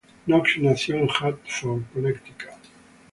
Knox nació en Hartford, Connecticut.